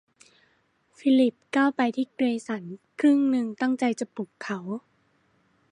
ฟิลิปก้าวไปที่เกรสันครึ่งหนึ่งตั้งใจจะปลุกเขา